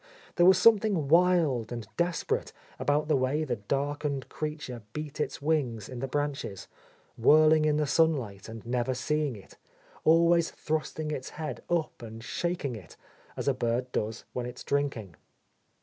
There was something wild and desperate about the way the darkened creature beat its wings in the branches, whirling in the sunlight and never seeing it, always thrusting its head up and shaking it, as a bird does when it is drinking.